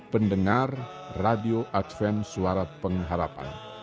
pendengar radio adven suara pengharapan